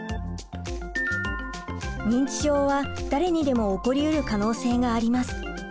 認知症は誰にでも起こりうる可能性があります。